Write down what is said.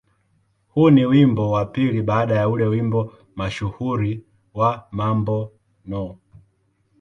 Huu ni wimbo wa pili baada ya ule wimbo mashuhuri wa "Mambo No.